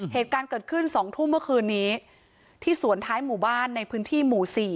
เหตุการณ์เกิดขึ้น๒ทุ่มเมื่อคืนนี้ที่สวนท้ายหมู่บ้านในพื้นที่หมู่สี่